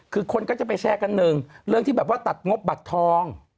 คือคนก็จะไปแชร์กันหนึ่งเรื่องที่แบบว่าตัดงบบัตรทอง